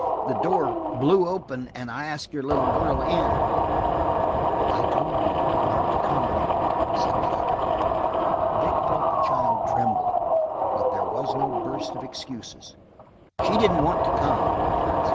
The door blew open and I asked your little girl in." "I told you not to come here," said the other. Vic felt the child tremble, but there was no burst of excuses. "She didn't want to come," he urged.